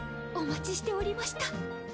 お待ちしておりました。